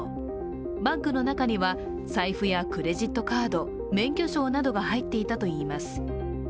バッグの中には財布やクレジットカード、免許証などが入っていたといいます。